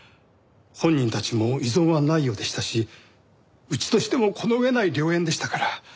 本人たちも異存はないようでしたしうちとしてもこの上ない良縁でしたから。